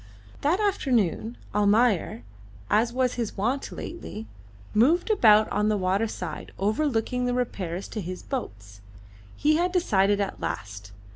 That afternoon Almayer, as was his wont lately, moved about on the water side, overlooking the repairs to his boats. He had decided at last.